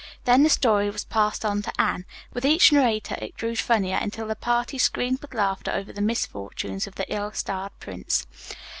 Then the story was passed on to Anne. With each narrator it grew funnier, until the party screamed with laughter over the misfortunes of the ill starred prince.